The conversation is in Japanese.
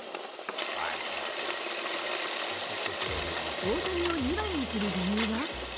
大谷を２番にする理由は。